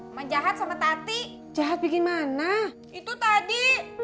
emak jahat sama tati jahat bikin mana itu tadi